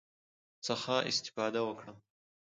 څخه استفاده وکړم،